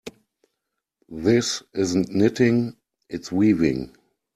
This isn't knitting, its weaving.